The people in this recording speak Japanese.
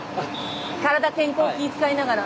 体健康気ぃ遣いながら。